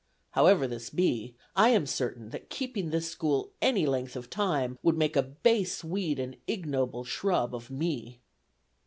However this be, I am certain that keeping this school any length of time, would make a base weed and ignoble shrub of me."